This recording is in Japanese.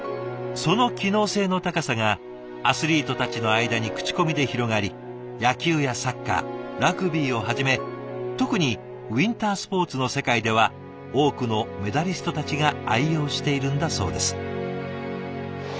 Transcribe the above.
その機能性の高さがアスリートたちの間に口コミで広がり野球やサッカーラグビーをはじめ特にウインタースポーツの世界では多くのメダリストたちが愛用しているんだそうです。